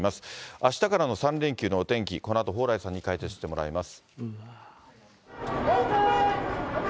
あしたからの３連休のお天気、このあと蓬莱さんに解説してもらいます。